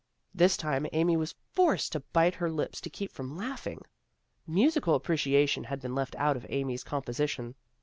This time Amy was forced to bite her lips to keep from laughing. Musical appreciation had been left out of Amy's composition.